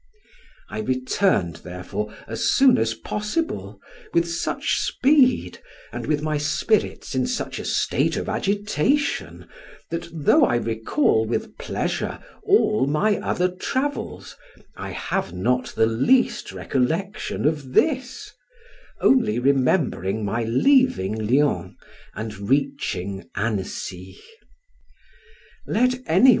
I returned, therefore, as soon as possible, with such speed, and with my spirits in such a state of agitation, that though I recall with pleasure all my other travels, I have not the least recollection of this, only remembering my leaving Lyons and reaching Annecy.